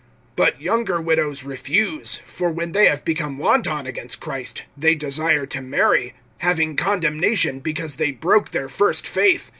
(11)But younger widows refuse; for when they have become wanton against Christ, they desire to marry; (12)having condemnation, because they broke their first faith.